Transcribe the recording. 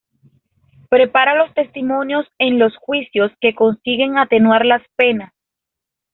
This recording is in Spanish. Prepara los testimonios en los juicios que consiguen atenuar las penas.